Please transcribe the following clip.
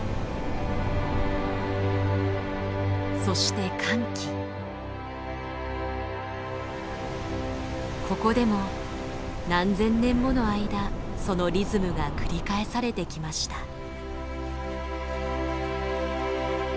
そしてここでも何千年もの間そのリズムが繰り返されてきました。